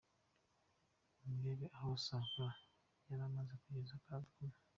Nimurebe aho Sankara yaramaze kugeze Kagamé.